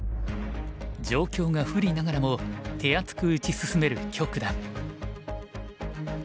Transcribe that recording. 状況が不利ながらも手厚く打ち進める許九段。